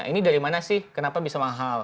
ini dari mana sih kenapa bisa mahal